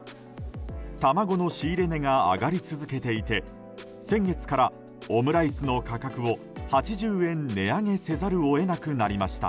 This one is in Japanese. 卵の仕入れ値が上がり続けていて先月から、オムライスの価格を８０円値上げせざるを得なくなりました。